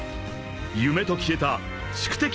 ［夢と消えた宿敵